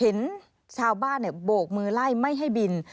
เห็นชาวบ้านโบกมือไล่ไม่ให้บิน